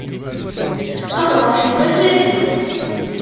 Ad ruḥen wakali!